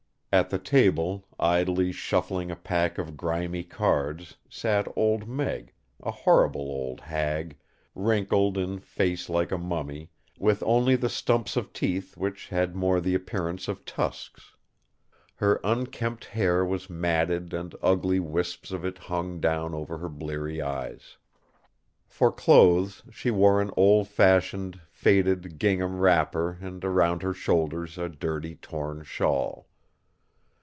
At the table, idly shuffling a pack of grimy cards, sat Old Meg, a horrible old hag, wrinkled in face like a mummy, with only the stumps of teeth which had more the appearance of tusks. Her unkempt hair was matted and ugly wisps of it hung down over her bleary eyes. For clothes she wore an old fashioned faded gingham wrapper and around her shoulders a dirty torn shawl.